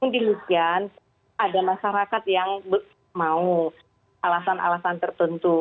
di lusian ada masyarakat yang mau alasan alasan tertentu